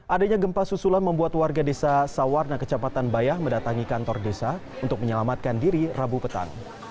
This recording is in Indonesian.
adanya gempa susulan membuat warga desa sawar dan kecapatan bayah mendatangi kantor desa untuk menyelamatkan diri rabu petan